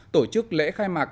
tổ chức lễ khai mạc